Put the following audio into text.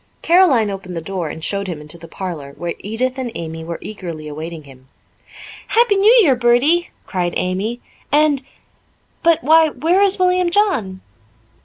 Caroline opened the door and showed him into the parlour, where Edith and Amy were eagerly awaiting him. "Happy New Year, Bertie," cried Amy. "And but, why, where is William John?"